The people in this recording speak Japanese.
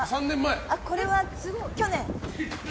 これは去年！